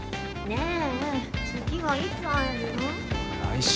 ねえ。